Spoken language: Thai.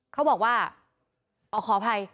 เขาบอกว่าอ๋อขออภัย